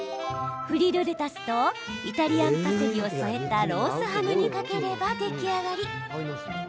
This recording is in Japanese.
フリルレタスとイタリアンパセリを添えたロースハムにかければ出来上がり。